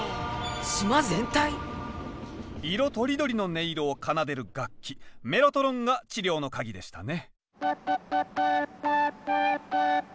島全体⁉色とりどりの音色を奏でる楽器メロトロンが治療の鍵でしたね。